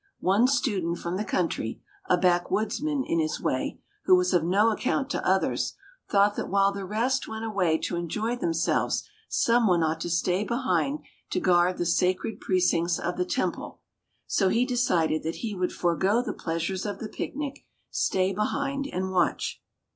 One student from the country, a backwoodsman in his way, who was of no account to others, thought that while the rest went away to enjoy themselves some one ought to stay behind to guard the sacred precincts of the temple; so he decided that he would forgo the pleasures of the picnic, stay behind and watch.